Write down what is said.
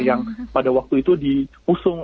yang pada waktu itu diusung